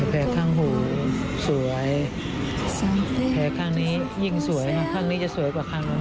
แผลข้างหูสวยแผลข้างนี้ยิ่งสวยข้างนี้จะสวยกว่าครั้งนั้น